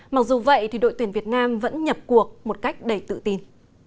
mặc dù vậy thì đội tuyển việt nam vẫn nhập cuộc một cách đầy tự tin